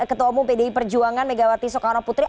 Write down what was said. ketua umum pdi perjuangan megawati soekarno putri